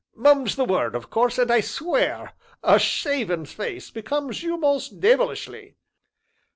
"Mum's the word, of course, and I swear a shaven face becomes you most deyvilishly!"